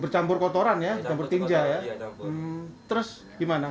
berpenguruh material itu cukup berategi laki laki